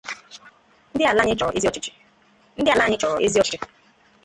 Ndị ala anyị chọrọ ezi ọchịchị